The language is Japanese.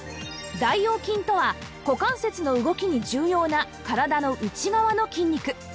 大腰筋とは股関節の動きに重要な体の内側の筋肉